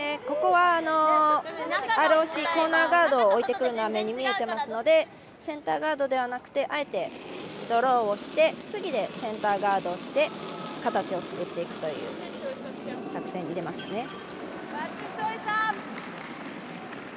ここは、ＲＯＣコーナーガードを置いてくるのは目に見えていますのでセンターガードではなくてあえてドローをして次でセンターガードをして形を作っていくという作戦に出ましたね。